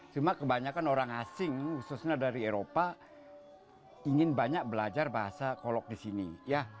cuma kebanyakan orang asing khususnya dari eropa ingin banyak belajar bahasa kolok di sini ya